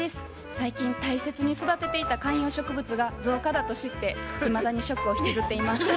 最近大切に育てていた観葉植物が造花だと知っていまだにショックを引きずっています。